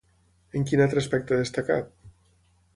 En quin altre aspecte ha destacat?